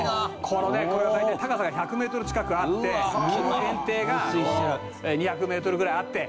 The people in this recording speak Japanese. このねこれは大体高さが１００ｍ近くあって堰堤が２００ｍぐらいあって。